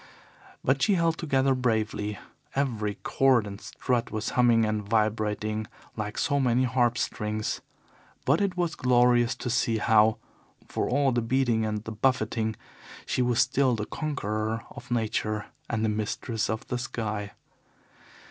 But she held together bravely. Every cord and strut was humming and vibrating like so many harp strings, but it was glorious to see how, for all the beating and the buffeting, she was still the conqueror of Nature and the mistress of the sky.